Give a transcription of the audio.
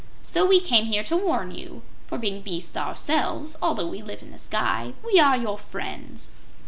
So we came here to warn you, for being beasts ourselves, although we live in the sky, we are your friends."